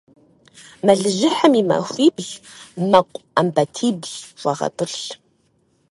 Мэлыжьыхьым и махуибл мэкъу Ӏэмбатибл хуэгъэтӀылъ.